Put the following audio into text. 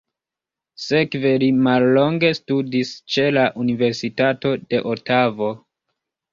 Sekve li mallonge studis ĉe la Universitato de Otavo.